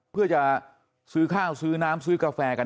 เพื่อจะซื้อข้าวซื้อน้ำซื้อกาแฟกัน